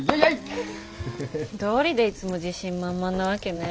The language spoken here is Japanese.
どうりでいつも自信満々なわけね。